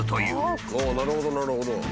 なるほどなるほど。